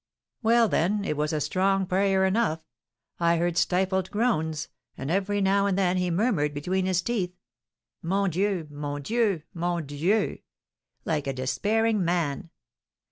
"Well, then, it was a strong prayer enough. I heard stifled groans, and every now and then he murmured between his teeth 'Mon Dieu! mon Dieu! mon Dieu!' like a despairing man.